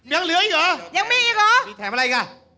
ยังเหลืออีกเหรอยังมีอีกเหรอมีแถมอะไรอีกอ่ะ